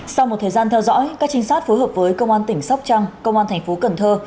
sau một thời gian theo dõi các trinh sát phối hợp với công an tỉnh sóc trăng công an thành phố cần thơ